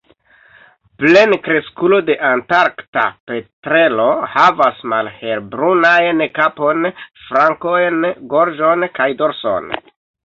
Plenkreskulo de Antarkta petrelo havas malhelbrunajn kapon, flankojn, gorĝon kaj dorson.